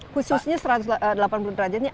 khususnya satu ratus delapan puluh derajatnya